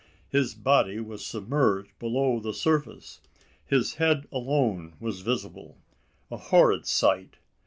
His body was submerged below the surface. His head alone was visible a horrid sight!